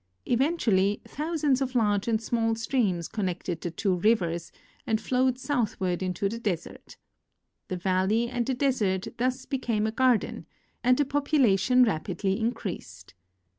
Eventually, thou sands of large and small streams connected the two rivers and flowed southward into the desert. The valley and the desert thus became a garden, and the population rapidly increased.